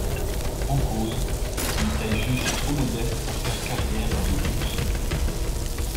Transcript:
En cause, une taille jugée trop modeste pour faire carrière dans les buts.